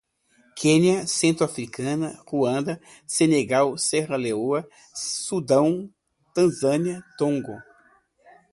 Quenia, Centro-Africana, Ruanda, Senegal, Serra Leoa, Sudão, Tanzânia, Togo